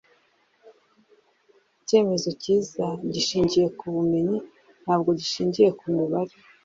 icyemezo cyiza gishingiye ku bumenyi ntabwo gishingiye ku mibare